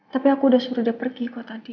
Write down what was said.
tapi aku udah suruh dia pergi ke tadi